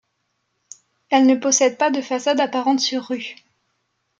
Elle ne possède pas de façade apparente sur rue.